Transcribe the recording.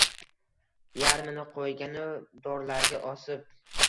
Yarmini qo’yganu dorlarga osib